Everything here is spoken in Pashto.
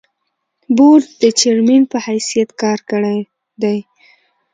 بورډ د چېرمين پۀ حېثيت کار کړے دے ۔